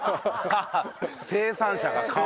生産者が皮。